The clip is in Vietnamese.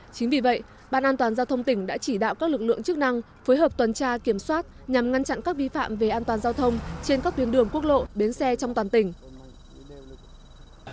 chính vì vậy ban an toàn giao thông tỉnh đã chỉ đạo các lực lượng chức năng phối hợp tuần tra kiểm soát nhằm ngăn chặn các vi phạm về an toàn giao thông trên các tuyến đường quốc lộ bến xe trong toàn tỉnh